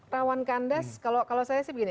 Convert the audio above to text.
rawan kandas kalau saya sih begini